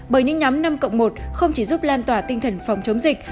bởi những nhóm năm cộng một không chỉ giúp lan tỏa tinh thần phòng chống dịch